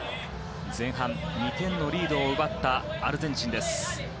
前半２点のリードを奪ったアルゼンチンです。